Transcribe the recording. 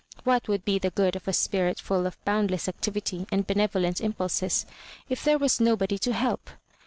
What would be the good of. a spirit fuH of boundless activity and benevolent impulses if there was nobody to help